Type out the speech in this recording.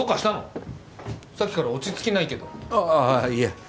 さっきから落ち着きないけどああいえ